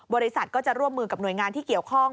บริษัทก็จะร่วมมือกับหน่วยงานที่เกี่ยวข้อง